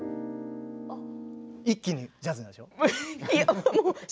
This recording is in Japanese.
一気にジャズになるでしょ。